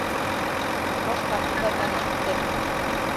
— Башҡа ҡыҙҙарҙан ишеттем.